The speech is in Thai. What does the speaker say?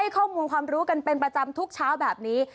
ข้อมูลความรู้กันเป็นประจำทุกเช้าแบบนี้